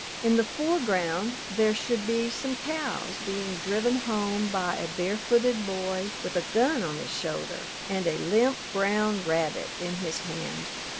In the foreground there should be some cows being driven home by a barefooted boy with a gun on his shoulder and a limp brown rabbit in his hand.